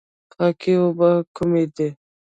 پاکې اوبه کومې دي؟